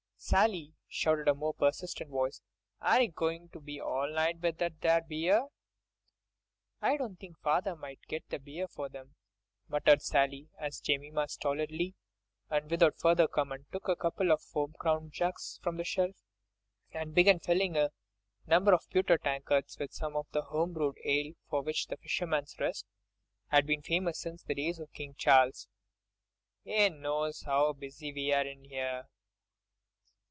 "Sally!" shouted a more persistent voice, "are ye goin' to be all night with that there beer?" "I do think father might get the beer for them," muttered Sally, as Jemima, stolidly and without further comment, took a couple of foam crowned jugs from the shelf, and began filling a number of pewter tankards with some of that home brewed ale for which "The Fisherman's Rest" had been famous since the days of King Charles. "'E knows 'ow busy we are in 'ere."